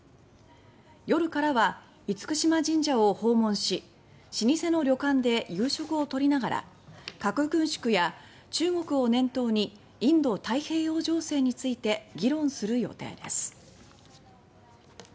夜からは厳島神社を訪問し老舗の旅館で夕食を取りながら核軍縮や中国を念頭にインド太平洋情勢について議論する予定です。